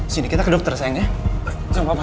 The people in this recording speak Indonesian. sini kita ke dokter sayang ya